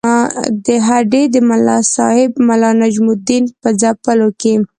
د هډې د ملاصاحب ملا نجم الدین په ځپلو کې.